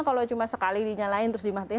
kalau cuma sekali dinyalain terus dimatiin